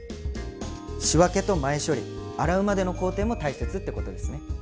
仕分けと前処理洗うまでの工程も大切ってことですね。